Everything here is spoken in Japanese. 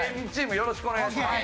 よろしくお願いします。